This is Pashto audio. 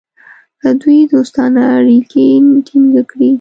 که دوی دوستانه اړیکې ټینګ کړي.